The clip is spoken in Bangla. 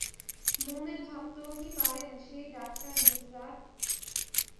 মনে ভাবতেও কি পারেন সেই ডাকটা মিস ডাট।